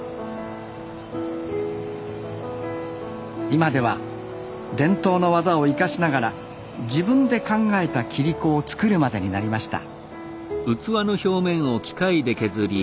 今では伝統の技を生かしながら自分で考えた切子を作るまでになりました